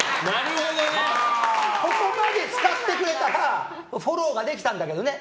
ここまで使ってくれたらフォローができたんだけどね。